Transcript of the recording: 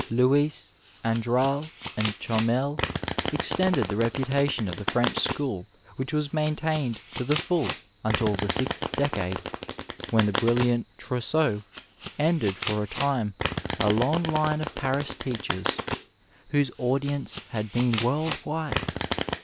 Louis, Andral, and Chomel, extended the reputa tion of the French school which was maintained to the full until the sixth decade, when the brilliant Trousseau ended for a time a long line of Paris teachers, whose audience had been world wide.